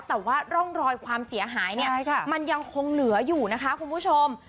แต่ว่าร่องรอยความเสียหายเนี่ยมันยังคงเหลืออยู่นะคะคุณผู้ชม